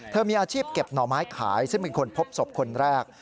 มีอาชีพเก็บหน่อไม้ขายซึ่งเป็นคนพบศพคนแรก